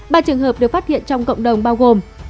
ba trường hợp được phát hiện trong cộng đồng bao gồm